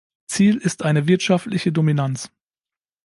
Ziel ist eine wirtschaftliche Dominanz.